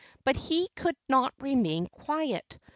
But he could not remain quiet.